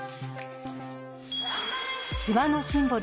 島のシンボル